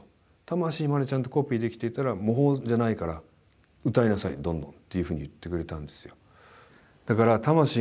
「魂までちゃんとコピーできていたら模倣じゃないから歌いなさいどんどん」っていうふうに言ってくれたんですよ。